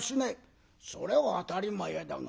「それは当たり前だが。